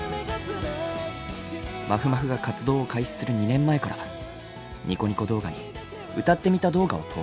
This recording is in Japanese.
まふまふが活動を開始する２年前からニコニコ動画に歌ってみた動画を投稿。